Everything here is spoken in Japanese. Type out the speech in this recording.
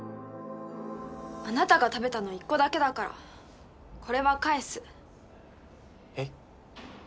あなたが食べたの１個だけだからこれは返すえっ？